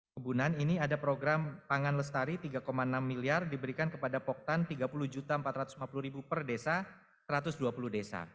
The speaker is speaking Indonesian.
kebunan ini ada program pangan lestari rp tiga enam miliar diberikan kepada poktan rp tiga puluh empat ratus lima puluh per desa satu ratus dua puluh desa